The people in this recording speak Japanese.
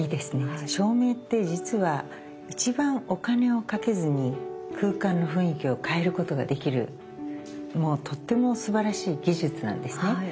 照明って実は一番お金をかけずに空間の雰囲気を変えることができるとってもすばらしい技術なんですね。